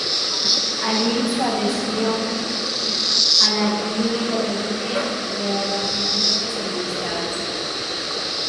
Allí su adhesión a la "Ligue catholique" le ocasionó ciertas enemistades.